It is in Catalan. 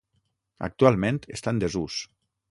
Actualment està en desús.